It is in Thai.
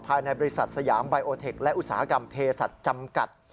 ภายในบริษัทสยามไบโอเทคและอุตสาหกรรมเพศัตริย์จำกัด